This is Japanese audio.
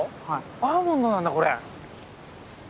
アーモンドなんだこれ。